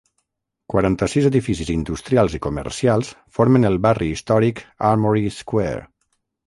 Quaranta-sis edificis industrials i comercials formen el barri històric Armory Square.